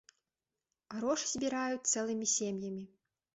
Грошы збіраюць цэлымі сем'ямі.